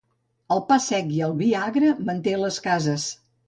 El pa sec i el vi agre manté les cases.